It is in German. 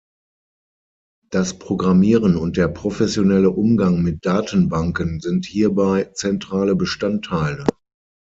Das Programmieren und der professionelle Umgang mit Datenbanken sind hierbei zentrale Bestandteile.